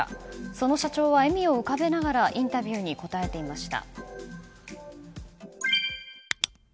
その社長は笑みを浮かべながらインタビューに答えていました。